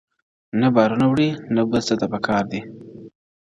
نه بارونه وړي نه بل څه ته په کار دی،